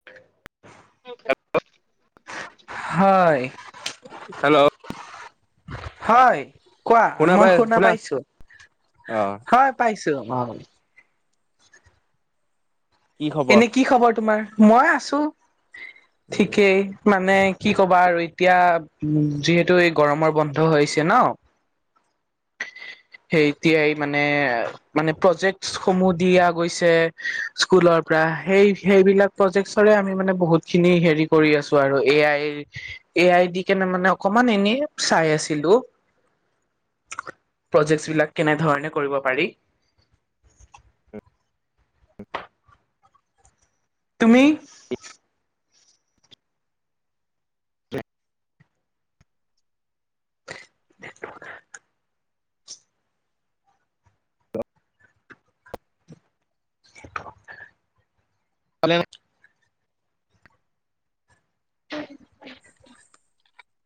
[inaudible] [unintelligible] হয়। হেল্ল'? হয়, কোৱা। মই শুনা পাইছোঁ, অ হয় পাইছোঁ। অ কি খবৰ? এনে কি খবৰ তোমাৰ? মই আছোঁ, ঠিকেই। মানে কি ক'বা আৰু এতিয়া, উম, যিহেতু এই গৰমৰ বন্ধ হৈছে ন? [inaudible] সেই এতিয়াই মানে, মানে প্ৰজেক্টচ সমূহ দিয়া গৈছে স্কুলৰ সেই, সেইবিলাক প্ৰজেক্টচৰে আমি মানে বহুত খিনি হেৰি কৰি আছোঁ আৰু, এ আইৰ এ আই দি কেনে মানে অকমান এনে চাই আছিলোঁ। প্ৰজেক্টচ বিলাক কেনেধৰণে কৰিব পাৰি। তুমি? [unintelligible] [unintelligible] [unintelligible]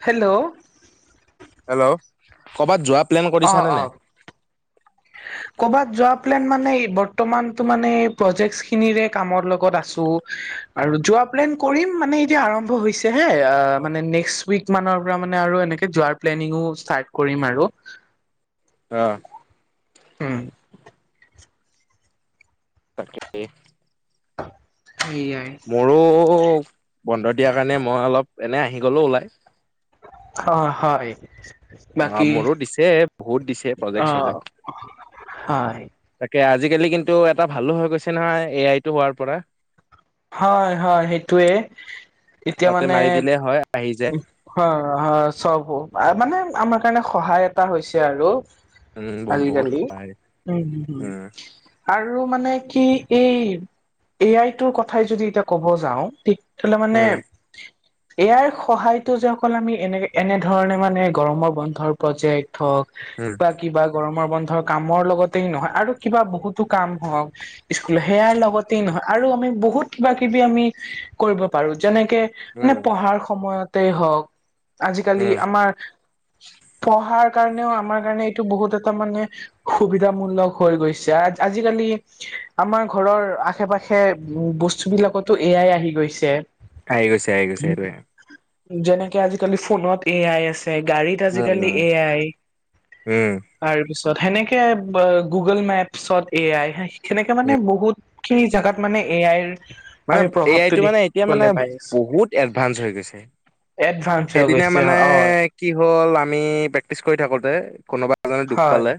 হেল্ল'। হেল্ল', কৰ'ৰবাত যোৱা প্লেন অ কৰিছানে অ নাই? [unintelligible] কৰ'বাত যোৱা প্লেন মানে, বৰ্তমানতো মানে প্ৰজেক্ট খিনিৰে কামৰ লগত আছোঁ। আৰু যোৱা প্লেন কৰিম, মানে এতিয়া আৰম্ভ হৈছে হে আ, মানে নেক্সট উইক মানৰ পৰা মানে আৰু এনেকে যোৱাৰ প্লেনিঙো ষ্টাৰ্ট কৰিম আৰু। অ'। উম। [unintelligible] সেইয়াই। মোৰো, বন্ধ দিয়াৰ কাৰণে মই অলপ এনে আহি গ'লো ওলাই। অ', হয়। অ', বাকী মোৰো দিছে, বহুত দিছে অ প্ৰজেক্ট চজেক্ট। হয়। তাকে, আজিকালি কিন্তু এটা ভালো হৈ গৈছে নহয়, এ আইটো হোৱাৰ পৰা। হয়, হয় সেইটোয়ে। এতিয়া তাতে মানে মাৰি দিলে হয়, আহি য হয়, হয়, চবো, মানে আমাৰ কাৰণে সহায় এটা হৈছে আৰু। উম বহুত বহুত আজিকালি, সহায় উম, উম, উম। আৰু মানে কি এই, এ আইটোৰ কথাই যদি এতিয়া ক'ব যাওঁ। ঠিক তলে মানে, উম এ আইৰ স সহায়তো যে অকল আমি এনে, এনেধৰণে মানে গৰমৰ বন্ধৰ প্ৰজেক্ট হওঁক উম। বা কিবা গৰমৰ বন্ধৰ কামৰ লগতেই নহয় আৰু কিবা বহুতো কাম হওঁক স্কুলত সেয়াৰ লগতে নহয় আৰু আমি বহুত কিবা কিবি আমি কৰিব পাৰো, যেনেকে মানে উম পঢ়াৰ সময়তেই হওক, আজিকালি উম আমাৰ পঢ়াৰ কাৰণেও, আমাৰ কাৰণে এইটো বহুত এটা মানে সুবিধামূলক হৈ গৈছে, আ, আজিকালি আমাৰ ঘৰৰ আশে-পাশে বস্তু বিলাকতো এ আই আহি গৈছে। আহি গৈছে আহি গৈছে, সেইটোৱে। যেনেকে আজিকালি ফোনত এ আই আছে, গাড়ীত উম আজিকালি উম এ আই। উম তাৰপিছত সেনেকে অ গুগল মেপছত এ আই, সেনেকে মানে উম বহুত খিনি জাগাত মানে এ আইৰ মানে আমি এ আই প্ৰভাৱটো টো মানে এতিয়া মানে দেখিবলৈ পাই আছো বহুত এডভান্স হৈ গৈছে, এডভান্স হৈ সেইদিনা গৈছে মানে হয় কি হ'ল আমি প্ৰেক্টিচ কৰি থাকোতে, কোনোবা এজনে দুখ হয় পালে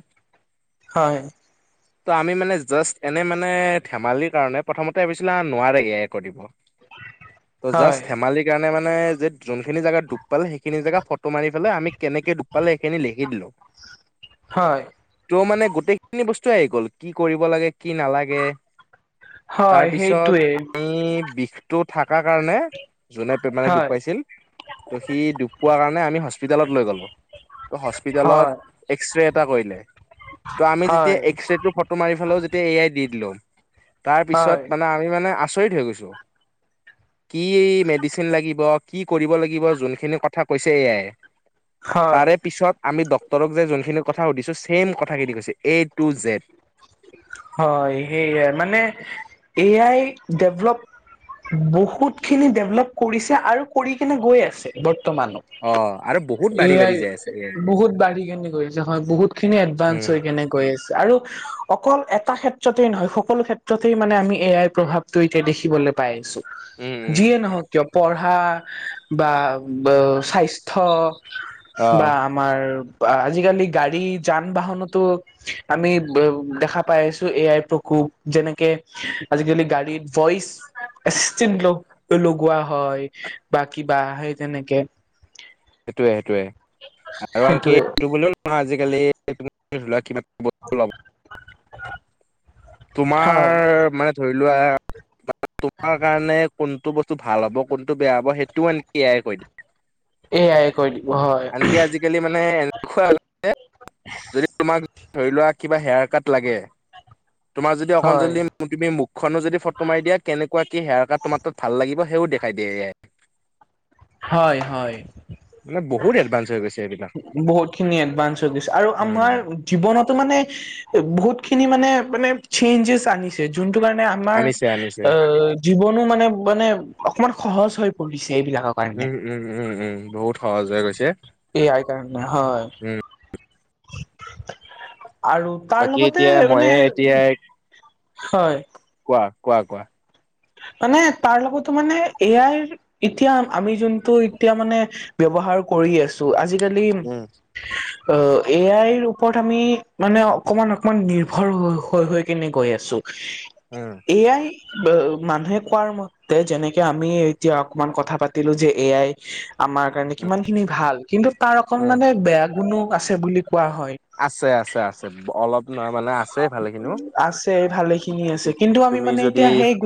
হয়। ত' আমি মানে জাষ্ট এনে মানে, ধেমালিৰ কাৰণে প্ৰথমতে ভাবিছিলে নোৱাৰেগে কৰিব, ত' হয় জাষ্ট ধেমালিক সেই কাৰণে মানে যে, যোনখিনি জেগাত দুুখ পালে, সেইখিনি জেগা ফটো মাৰি পেলাই আমি কেনেকে দুখ পালে সেইখিনি লিখি দিলো। হয়। ত' মানে, গোটেইখিনি বস্তুৱেই আহি গ'ল কি কৰিব লাগে, কি নালাগে। হয় তাৰপিছত সেইটোৱে ই বিষটো থাকা কাৰণে যোনে মানে দোষ হয় পাইছিল ত' সি দোষ পোৱা কাৰণে আমি হস্পিটালত লৈ গ'লোঁ, ত' হস্পিটাল হয় এক্স-ৰে এটা কৰিলে, ত' আমি যেতিয়া হয় এক্স-ৰেটো ফত টো মাৰি চালোঁ যেতিয়া এ আইত দি দিলোঁ, হয় তাৰপিছত মানে আমি মানে আচৰিত হৈ গৈছোঁ। কি মেডিচিন লাগিব, কি কৰিব লাগিব, যোখিনি কথা কৈছে, এ য়াই হয় তাৰেপিছত আমি ডক্তৰক যে যোনখিনি কথা সুধিছোঁ, ছেম কথাখিনি কৈছে এ টু জেড। হয়, সেইয়াই মানে এ আই ডেভলপ বহুত খিনি ডেভলপ কৰিছে আৰু কৰি কেনে গৈ আছে বৰ্তমানো। অঁ আৰু বহু এ আই বহুত বাঢ়ি কেনে গৈ আছে হয়, বহুত খিনি এডভান্স উম, হৈ কেনে গৈ আছে, আৰু অকল এটা ক্ষেত্ৰতেই নহয় সকলো ক্ষেত্ৰতেই মানে আমি এ আই প্ৰভাৱটো এতিয়া দেখিবলৈ পাই আছোঁ। উম, উম। যিয়ে নহওক কিয় পঢ়া বা ব স্বাস্থ্য বা অ' আমাৰ আজিকালি গাড়ী যান বাহনতো আমি দেখা পাই আছোঁ এ আই প্ৰকোপ, যেনেকে আজিকালি গাড়ীত ভইচ এস্টিমগ্লকটো লগোৱা হয় বা কিবা সেই তেনেকে সেইটোৱে সেইটোৱে, আৰু আনকি সেইটোৱে এইটো বুলিও নহয় আজিকালি [unintelligible] [unintelligible] তোমাৰ হয় মানে ধৰি লোৱা [unintelligible] তোমাৰ কাৰণে কোনটো বস্তু কোনতো ভাল হব কোনটো বেয়া হব সেইটোও আনকি এ আই কৈ দিয়ে। এ আই কৈ দিব হয়। আনকি আজিকালি মানে এনেকুৱা হৈ গৈছে, যদি তোমাক ধৰি লোৱা কিবা হেয়াৰ কাট লাগে তোমাৰ যদি অকণ হয় যদি তুমি মুখখনো যদি ফটো মাৰি দিয়া কেনেকুৱা কি হেয়াৰ কাট তোমাৰ তাত ভাল লাগিব সেও দেখাই দিয়ে এ আই। হয়, হয়। মানে বহুত এডভান্স হৈ গৈছে এইবিলাক বহুত খিনি এডভান্স হৈ গৈছে, আৰু আমাৰ উম জীৱনতো মানে বহুত খিনি মানে- মানে চেঞ্জেছ আনিছে, যোনটো কাৰণে আমাৰ আনিছে আনিছে অ, জীৱনো মানে- মানে অকমান সহজ হৈ পৰিছে, এইবিলাকক। উম- উম- উম-উম, বহুত সহজ হৈ গৈছে। এ আই কাৰনে হয়। উম আৰু তাৰ বাকী লগতে এতিয়া মানে, মইয়ে এতিয়া হয়। কোৱা- কোৱা- কোৱা। মানে তাৰ লগতে মানে এ আইৰ এতিয়া আমি যোনটো এতিয়া মানে ব্যৱহাৰ কৰি আছোঁ, আজি আজি কালি উম এ আইৰ ওপৰত আমি মানে অকমান- অকমান নিৰ্ভৰ হৈ- হৈ কেনে গৈ আছোঁ। উম। উম। এ আই উহ মানুহে কোৱাৰ মতে যেনেকে আমি এতিয়া কথা পাতিলোঁ যে, এই আই আমাৰ কাৰণে উম কিমান খিনি ভাল। কিন্তু তাৰ উম অকনমাননে বেয়া গুণো আছে বুলি কোৱা হয়। আছে- আছে- আছে অলপ নহয়, মানে আছে ভালেখিনিও, আছে ভালে তুমি যদি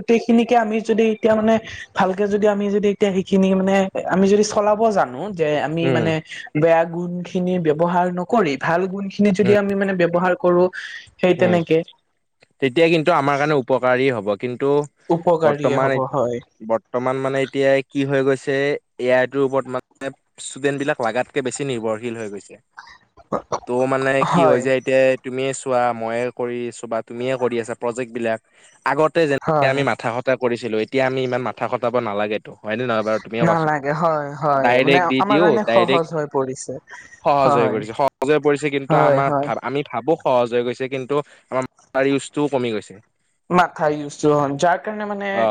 সেইখিনিকে আমি যদি এতিয়া মানে- ভালকে যদি আমি যদি এতিয়া, সেইখিনি মানে আমি যদি চলাব জানোঁ যে আমি উম মানে বেয়া গুণ খিনি ব্যৱহাৰ নকৰি ভাল গুণ সেই খিনি যদি উম আমি মানে ব্যৱহাৰ কৰোঁ। উম, তেতিয়া কিন্তু আমাৰ কাৰণে উপকাৰী হ'ব। কিন্তু উপকাৰীয়ে বৰ্তমান হব এ হয় [unintelligible] বৰ্ত বৰ্তমান মানে এতিয়া কি হৈ গৈছে, এ আই তোৰ ওপৰত মানে ষ্টুডেণ্ট বিলাক লাগাতকে বেছি নিৰ্ভশীল হৈ গৈছে। ত' মানে কি হৈ হয় যাই এতিয়া তুমিয়ে চ চোৱা মইয়ে কৰিছোঁ বা তুমিয়ে কৰি আছা, প্ৰজেক্ট বিলাক আগতে যেনেকে হয় আমি মাথা খ টা কৰিছিলোঁ। এতিয়া আমি ইমান মাথা কটাব নালাগে। হয়নে নহয় বাৰু তুমিয়ে কোৱাচোন? নালাগে হয় হয় মানে ডাইৰেক্ট দি আমাৰ দিওঁ কাৰণে সহজ ডাইৰেক্ট হৈ পৰিছে সহজ হয় হৈ পৰিছে, সহজ হৈ পৰিছে, কিন্তু হয় আমাৰ হয় ভ আমি ভাবো সহজ হৈ গৈছে। কিন্তু আমাৰ মাঠাৰ ইউজটোও কমি গৈছে। মাথাৰ ইউজটো, যাৰ কাৰণে মানে অ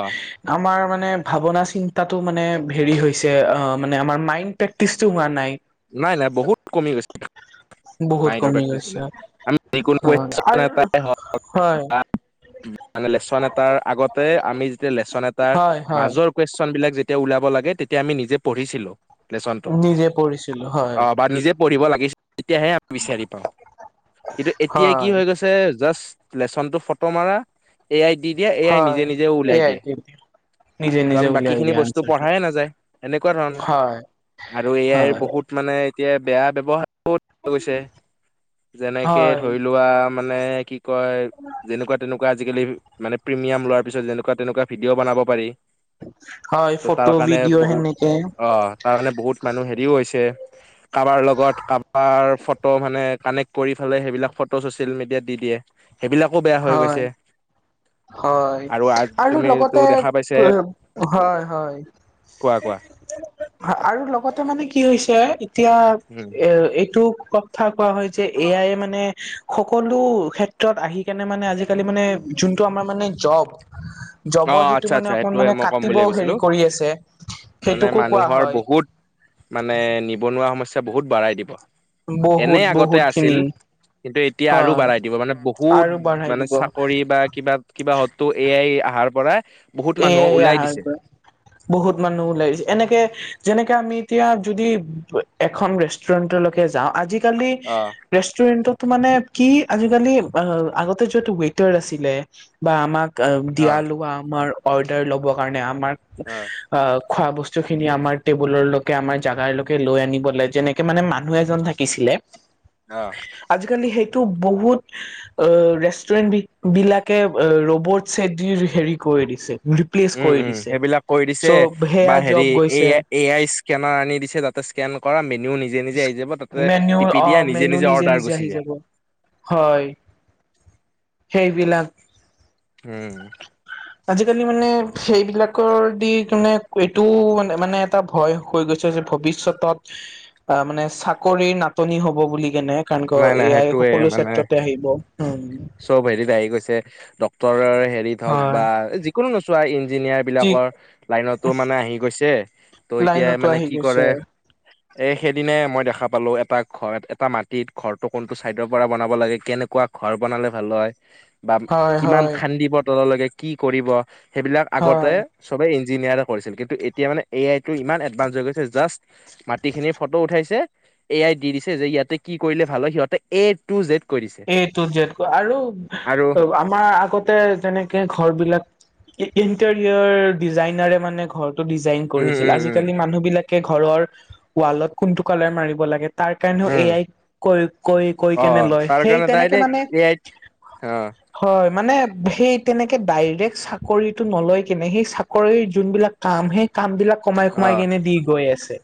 আমাৰ মানে ভাৱনা চিন্তাটো মানে হেৰি হৈছে। মানে আমাৰ মাইণ্ড প্ৰেক্টিচটো হোৱা নাই। নাই-নাই বহুত কমি গৈছে। বহুত মাইডৰ কমি প্ৰেক্টিচ গৈছে বিলাক। আমি যি কোনো হয় আৰু [unintelligible] হওক হয় বা মানে লেচন এটাৰ আগতে আমি যেতিয়া লেচন এটাৰ হয় হয় মাজৰ কুইৱেচন বিলাক যেতিয়া ওলাব লাগে, তেতিয়া আমি নিজে পঢ়ছিলোঁ। নিজে পঢ়িছোঁ। অ, বা নিজে পঢ়িব লাগিছিল। তেতিয়াহে আমি বিচাৰি পাও। কিন্তু এতিয়া কি হয় হৈ গৈছে এ, জাষ্ট লেচনটো ফটো মাৰা এ আইত দি দিয়া, এ আই হয় নিজে-নিজে ওলাই এয়াই দিয়ে। নিজে ত' নিজে আমি বাকী উলিয়াই খিনি দিয়া বস্তু আনচাৰটো পঢ়াই নাযায়। এনেকুৱা ধৰণৰ হয় আৰু এয়াইৰ হয় বহুত মানে এতিয়া বেয়া ব্যৱহাৰও দেখা গৈছে। যেনেকে হয় ধৰি লোৱা মানে কি কয় [unintelligible] যেনেকুৱা-তেনেকুৱা আজিকালি মানে প্ৰিমিয়াম লোৱাৰ পিছত যেনেকুৱা-তেনেকুৱা ভিডিঅ' বনাব পাৰি। হয় ত' তাৰ ফটো কাৰণে ভিডিঅ' বহুত সেনেকে অ, তাৰ কাৰণে বহুত মানুহ হেৰিও হৈছে। কাবাৰ লগত কাবাৰ ফটো মানে কানেক্ট কৰি ফালে সেইবিলাক ফটো ছচিয়েল মিডিয়াত দি দিয়ে। সেইবিলাকো বেয়া হৈ হয় গৈছে। হয় আৰু আৰু তুমিতো লগতে দেখা পাইছে [unintelligible] হয়-হয়। কোৱা-কোৱা? ভা আৰু লগতে মানে কি হৈছে এতিয়া উম। এ, এইটো কথা কোৱা হয় যে এ আই মানে সকলো ক্ষে ত্ৰত আহি কেনে মানে আজিকালি মানে যোনটো আমাৰ মানে জব জবৰ অ' সেইটো আচ্ছা মানে আচ্ছা অকণ সেইটোয়ে মানে মই ক'ম বুলি কাটিবও ভাবিছিলো হেৰি কৰি আছে মানে সেইটোকো কোৱা মানুহৰ হয়। বহুত মানে নিবনুৱা সমস্যা বহুত বাঢ়াই দিব, এনে বহুত আগতে বহুত আছিল খিনি কিন্তু এতিয়া আৰু হয় বাঢ়াই দিব মানে বহুত আৰু বঢ়াই মানে দিব চাকৰি বা কিবা কিবা হয়তো এ আই আহাৰ পৰা বহুত এ মানুহ ওলাই আহাৰ দিছে পৰা বহুত মানুহ ওলাইছে এনেকে যেনেকে আমি এতিয়া যদি এখন ৰেষ্টুৰেন্টলৈকে যাওঁ আজিকালি অ' ৰেষ্টুৰেন্টত মানে কি আজিকালি আ আগতে য'ত ৱেটাৰ আছিলে বা আমাক আ দিয়া অ' লোৱা আমাৰ অৰ্ডাৰ ল'ব কাৰণে আমাক অ' আ খোৱা বস্তুখিনি আমাৰ টেবুলৰলৈকে আমাৰ জাগাৰলৈকে লৈ আনিব লাগে যেনেক কে মানে মানুহ এজন থাকিছিলে অ। আজিকালি সেইটো বহুত আ ৰেষ্টুৰেণ্ট বি বিলাকে আ ৰ'বট চেড্ৰিৰ হেৰি কৰি দিছে, [unintelligible] উম উম দিছে সেইবিলাক কৰি দিছে চ' বা সেয়া হেৰি জব এ গৈছে আ এ আই স্কেনাৰ আনি দিছে তাতে স্কেন কৰা মেনু নিজে নিজে আহি যাব তাতে মেনু টিপি অ দিয়া নিজে মেনু নিজে অৰ্ডাৰ গুছি আহি যায়। যাব হয় সেইবিলাক উম। আজিকালি মানে সেইবিলাকৰ দি মানে এইটোও মানে মানে এটা ভয় কৈ গৈছে যে ভৱিষ্যতত আ মানে চাকৰিৰ নাটনি হব বুলি কেনে কাৰণ ক নাই নাই এয়াই সেইটোয়ে সকলো মানে ক্ষেত্ৰতে আহিব। উম। চব হেৰিত আহি গৈছে ডক্তৰৰ হেৰিত হওক হয় বা যিকোনো নোচোৱা ইঞ্জিনিয়াৰ ঠিক বিলাকৰ লাইনতো মানে আহি গৈছে ত' এতিয়া লাইনতো মানে আহি কি গৈছে কৰে হয় এ সেইদিনাই মই দেখা পালো এটা ঘৰ, এটা মাটিত ঘৰটো কোনটো চাইডৰ পৰা বনাব লাগে, কেনেকুৱা ঘৰ বনালে ভাল হয় বা হয় কিমান হয় খান্দিব তললৈকে কি কৰিব সেইবিলাক হয় আগতে সবেই ইঞ্জিনিয়াৰে কৰিছিল কিন্তু এতিয়া মানে এ আইটো ইমান এডভানঞ্চ হৈ গৈছে জাষ্ট মাটিখিনিৰ ফটো উঠাইছে এ আই দি দিছে যে ইয়াতে কি কৰিলে ভাল হয়? সিহতে এ টু জেদ কৈ দিছে। এ টো জেদ ক আৰু আৰু [unintelligible] আমাৰ আগতে তেনেকে ঘৰবিলাক ই ইণ্টেৰিয়ৰ ডিজাইনাৰে মানে ঘৰ টো ডিজাইন উম কৰিছিল, উম উম আজিকালি মানুহবিলাকে ঘৰৰ ৱালত কোনটো কালাৰ মাৰিব লাগে তাৰ কাৰণেও উম এয়াই ক, কৈ-কৈ কেনে লয়। সেই তেনেকে মানে কাৰণে ডাইৰেক্ট, এই আই। হয় মানে সেই তেনেকে ডাইৰেক্ট চাকৰিটো নলয় কেনে সেই চাকৰিৰ যোনবিলাক কাম সেই কাম বিলাক কমাই অ কমাই কেনে দি গৈ আছে।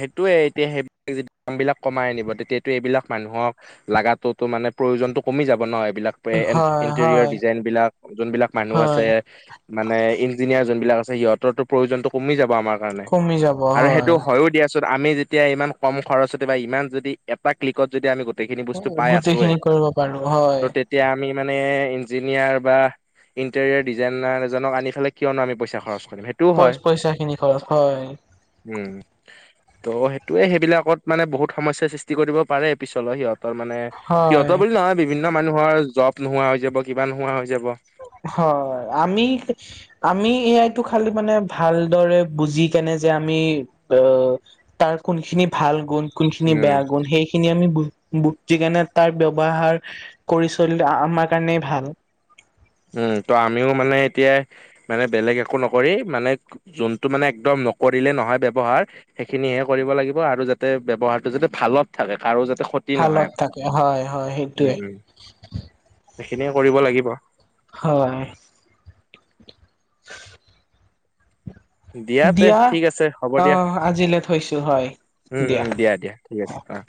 সেইটোয়ে এতিয়া সেই যি বিলাক কমাই আনিব তেতিয়োটো এইবিলাক মানুহক লাগাতোটো মানে প্ৰয়োজনতো কমি যাব ন এইবিলাক। হয় ইন্টেৰিয়ৰ হয় ডিজাইন বিলাক যোনবিলাক মানুহ আছে। হয় মানে ইঞ্জিনিয়াৰ যোনবিলাক আছে সিহঁতৰটো প্ৰয়োজনটো কমি যাব আমাৰ কাৰণে কমি যাব আৰু সেই হয়। হয়ো দিয়াচোন আমি যেতিয়া ইমান কম খৰচতে বা ইমান যদি এটা ক্লিকত যদি আমি গোটেইখিনি বস্তু পাই আছোয়ে, গোটেইখিনি কৰিব পাৰো হয়। ত' তেতিয়া আমি মানে ইঞ্ছিনিয়াৰ বা ইণ্টেৰিয়াৰ ডিজাইনাৰজনক আনি পেলাই কিয়নো আমি পইচা খৰচ কৰিম, সেই পই-পইচা খিনি খৰচ হয়। উম, ত' সেইটোয়ে সেইবিলাকত মানে বহুত সমস্যাৰ সৃষ্টি কৰিব পাৰে পিছলৈ সিহঁত সিহঁতৰ মানে, হয় সিহঁতৰ বুলি নহয় বিভিন্ন মানুহৰ জব নোহোৱা হৈ যাব কিবা নোহোৱা হৈ যাব। হয় আমি আমি এ আইটো খালি মানে ভালদৰে বুজি কেনে যে আমি, আহ', - তাৰ কোনখিনি ভাল গুণ কোনখিনি উম বেয়া গুণ সেই খিনি আমি বু-বুজি কেণে তাৰ ব্যৱহাৰ, কৰি চলিলে আমাৰ কাৰণেই ভাল। উম, ত' আমিও মানে এতিয়া, মানে বেলেগ একো নকৰি মানে যোনটো মানে একদম নকৰিলে নহয় ব্যৱহাৰ। সেইখিনিহে কৰিব লাগিব আৰু যাতে ব্যৱহাৰটো যাতে ভালত থাকে কাৰো যাতে ক্ষতি নহয়। ভালত থাকে হয়-হয় উম সেইটোৱে। উম। সেইখিনিয়ে কৰিব লাগিব। হয়। [unintelligible] দিয়া তে ঠিক আছে হ'ব অ দিয়া, আজিলে থৈছো হয় উম-উম দিয়া দিয়া। ঠিক আছে, অ'।